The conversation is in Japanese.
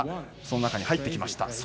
その中に入ってきました。